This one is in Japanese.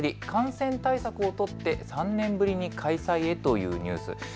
感染対策を取って３年ぶりに開催へというニュース。